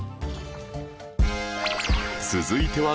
続いては